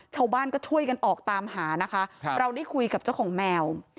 ชาวบ้านก็ช่วยกันออกตามหานะคะเราได้คุยกับเจ้าของแมว